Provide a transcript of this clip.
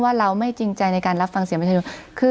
ถ้าเราไม่จริงใจที่การรับฟังเสียง